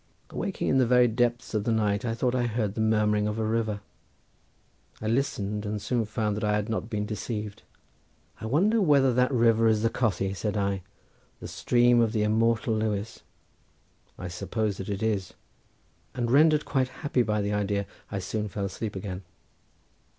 Awaking in the very depth of the night I thought I heard the murmuring of a river; I listened and soon found that I had not been deceived. "I wonder whether that river is the Cothi," said I, "the stream of the immortal Lewis. I will suppose that it is"—and rendered quite happy by the idea, I soon fell asleep again.